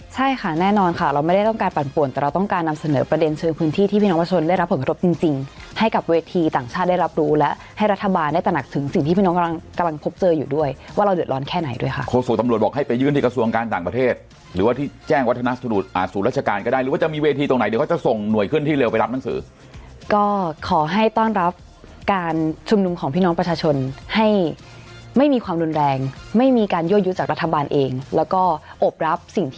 ใช่ค่ะแน่นอนค่ะเราไม่ได้ต้องการปั่นป่วนแต่เราต้องการนำเสนอประเด็นเชิงพื้นที่ที่พี่น้องประชนได้รับประกอบจริงจริงให้กับเวทีต่างชาติได้รับรู้และให้รัฐบาลได้ตนักถึงสิ่งที่พี่น้องกำลังกำลังพบเจออยู่ด้วยว่าเราเดือดร้อนแค่ไหนด้วยค่ะโครงสูตรตำรวจบอกให้ไปยืนที่กระทรวงการต